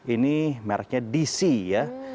ini mereknya dc ya